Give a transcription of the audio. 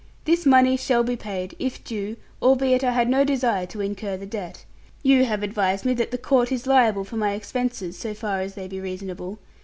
This money shall be paid, if due, albeit I had no desire to incur the debt. You have advised me that the Court is liable for my expenses, so far as they be reasonable.